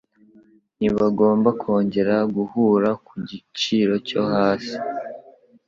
Ntibagomba kongera guhura ku gicyiro cyo hasi.